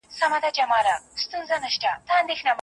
زه غواړم چې د یو روغتیایي سازمان سره مرسته وکړم.